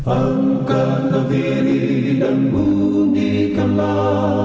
angkat nafiri dan bunyikanlah